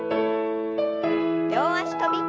両脚跳び。